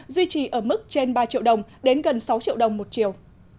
duy trì ở mức trên ba triệu đồng đến gần sáu triệu đồng một triệu